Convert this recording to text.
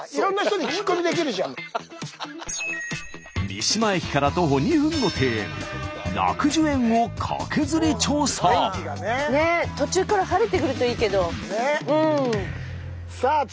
三島駅から徒歩２分の庭園楽寿園を途中から晴れてくるといいけど。